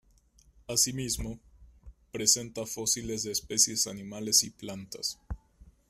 Asimismo, presenta fósiles de especies animales y plantas.